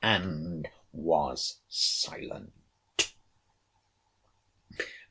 And was silent.